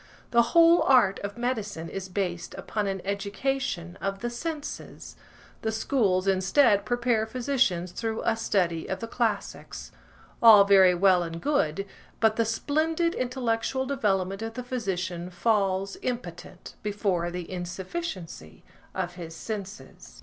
The whole art of medicine is based upon an education of the senses; the schools, instead, prepare physicians through a study of the classics. All very well and good, but the splendid intellectual development of the physician falls, impotent, before the insufficiency of his senses.